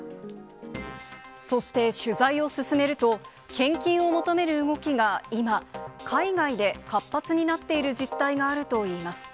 そして取材を進めると、献金を求める動きが今、海外で活発になっている実態があるといいます。